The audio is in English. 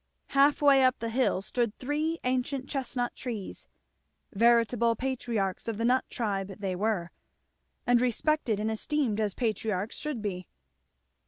Half way up the hill stood three ancient chestnut trees; veritable patriarchs of the nut tribe they were, and respected and esteemed as patriarchs should be.